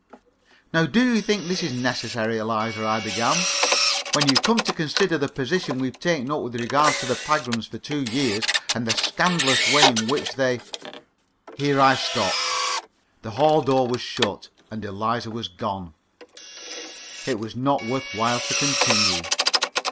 "Now, do you think this is necessary, Eliza?" I began. "When you come to consider the position we've taken up with regard to the Pagrams for two years, and the scandalous way in which they " Here I stopped. The hall door was shut, and Eliza had gone, and it was not worth while to continue.